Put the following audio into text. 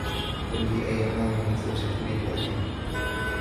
قل لي أي نوع من الخبز تريد أكله.